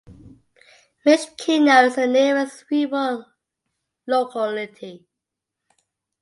Mishkino is the nearest rural locality.